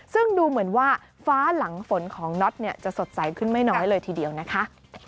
ซึ่งดูเหมือนว่าฟ้าหลังฝนของน็อตจะสดใสขึ้นไม่น้อยเลยทีเดียวนะคะ